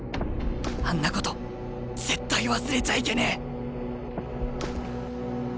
あんなこと絶対忘れちゃいけねえ！